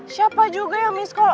siapa juga yang miss call